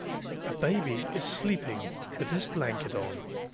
A baby is sleeping with his blanket on